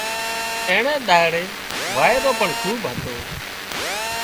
اينڻي ۮاڙئي وائيرو پڻ خوٻ هتو